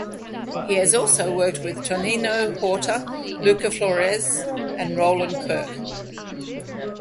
He has also worked with Toninho Horta, Luca Flores and Roland Kirk.